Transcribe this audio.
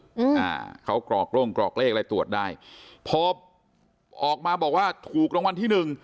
อืมอ่าเขากรอกโล่งกรอกเลขอะไรตรวจได้พอออกมาบอกว่าถูกรางวัลที่หนึ่ง